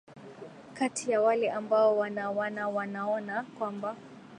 kati ya wale ambao wana wana wanaona kwamba